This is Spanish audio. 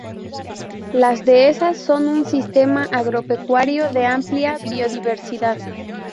Las dehesas son un sistema agropecuario de amplia biodiversidad.